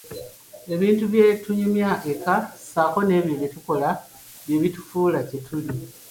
Ebintu bye tunyumya eka ssaako n'ebyo bye tukola bye bitufuula kye tuli.